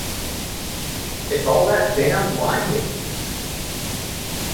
It's all that damn line dancing.